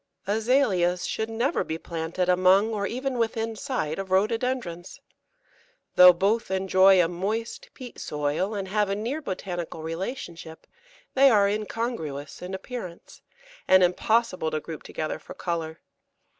Azaleas should never be planted among or even within sight of Rhododendrons. Though both enjoy a moist peat soil, and have a near botanical relationship, they are incongruous in appearance, and impossible to group together for colour.